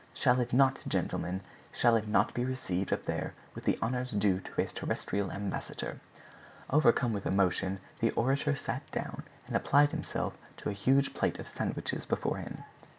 Shall it not, gentlemen—shall it not be received up there with the honors due to a terrestrial ambassador?" Overcome with emotion the orator sat down and applied himself to a huge plate of sandwiches before him.